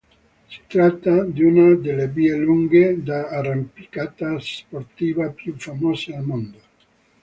Si tratta di una delle vie lunghe d'arrampicata sportiva più famose al mondo.